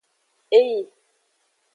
Eyi.